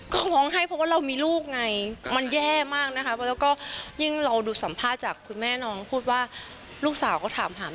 ก็หองให้เพราะว่าเรามีลูกไงมันแย่มากแล้วก็